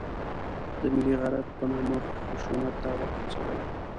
د ملي غیرت په نامه خشونت ته هڅول.